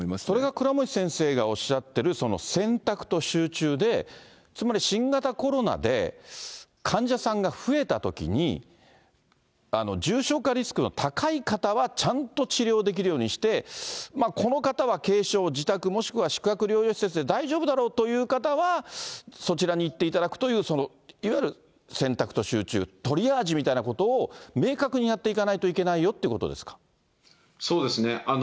それが倉持先生がおっしゃってる選択と集中で、つまり新型コロナで、患者さんが増えたときに、重症化リスクの高い方は、ちゃんと治療できるようにして、この方は軽症、自宅もしくは宿泊療養施設で大丈夫だろうという方は、そちらに行っていただくという、いわゆる選択と集中、トリアージみたいなことを明確にやっていかないといけないよといそうですね。